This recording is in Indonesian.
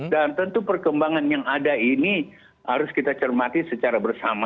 dan tentu perkembangan yang ada ini harus kita cermati secara bersama